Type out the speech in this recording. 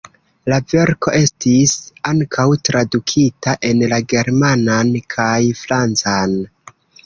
La verko estis ankaŭ tradukita en la germanan kaj francan.